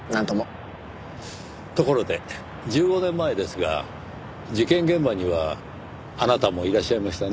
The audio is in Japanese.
ところで１５年前ですが事件現場にはあなたもいらっしゃいましたね？